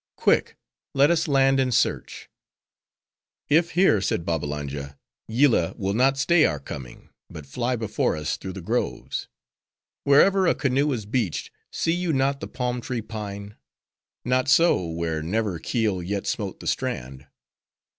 Quick! Let us land and search." "If here," said Babbalanja, "Yillah will not stay our coming, but fly before us through the groves. Wherever a canoe is beached, see you not the palm trees pine? Not so, where never keel yet smote the strand.